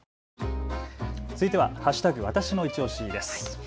続いては＃わたしのいちオシです。